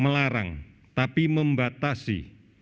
melarang tapi membatasi